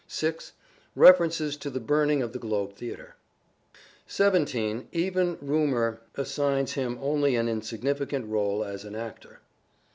(6) References to the burning of the Globe Theatre. 17. Even rumour assigns him only an insignificant role as an actor.